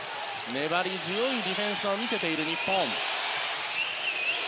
粘り強いディフェンスは見せている日本です。